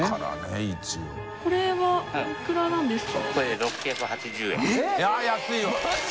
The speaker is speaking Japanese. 天丼おいくらなんですか？